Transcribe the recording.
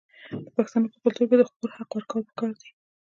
د پښتنو په کلتور کې د خور حق ورکول پکار دي.